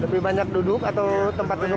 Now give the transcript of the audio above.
lebih banyak duduk atau tempat duduk